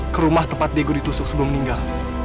ke rumah tempat diego ditusuk sebelum meninggal